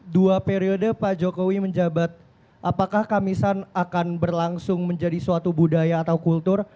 dua periode pak jokowi menjabat apakah kamisan akan berlangsung menjadi suatu budaya atau kultur